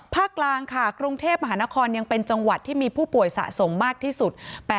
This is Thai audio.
กลางค่ะกรุงเทพมหานครยังเป็นจังหวัดที่มีผู้ป่วยสะสมมากที่สุด